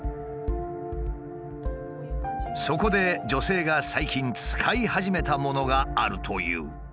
そこで女性が最近使い始めたものがあるという。